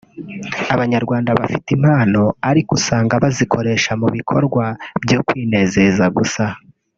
Abanyarwanda bafite impano ariko usanga bazikoresha mu bikorwa byo kwinezeza gusa